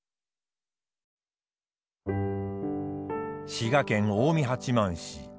滋賀県近江八幡市。